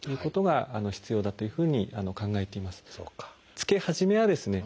着け始めはですね